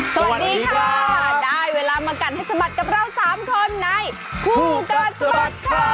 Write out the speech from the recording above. สวัสดีค่ะได้เวลามากัดให้สะบัดกับเรา๓คนในคู่กัดสะบัดข่าว